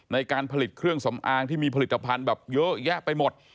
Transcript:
ในการผลิตเครื่องสำอางที่มีผลิตภัณฑ์แบบเยอะแยะไปหมด